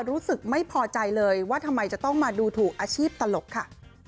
รู้สึกไม่พอใจเลยว่าทำไมจะต้องมาดูถูกอาชีพตลกค่ะ